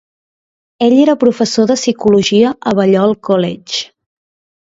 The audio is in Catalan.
Ell era professor de psicologia a Balliol College.